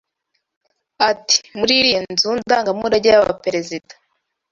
Ati “Muri iriya nzu ndangamurage y’abaperezida